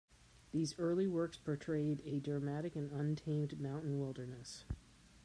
These early works portrayed a dramatic and untamed mountain wilderness.